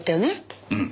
うん。